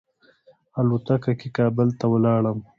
الوتکه کې کابل ته ولاړم.